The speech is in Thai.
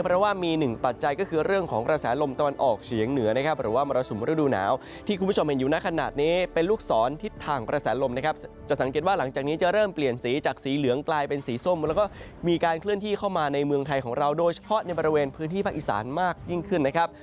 เพราะว่ามีหนึ่งปัจจัยก็คือเรื่องของประแสลมตอนออกเฉียงเหนือนะครับ